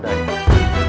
aku sanjang lodari